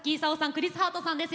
クリス・ハートさんです。